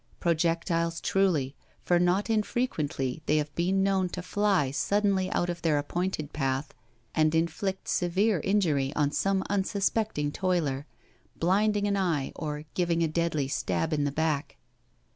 Projectiles truly, for not infrequently they have been known to fly suddenly out of their appointed path and inflict severe injury on some unsuspecting toiler, blinding an eye or giving a deadly stab in the back.